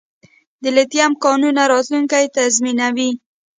د لیتیم کانونه راتلونکی تضمینوي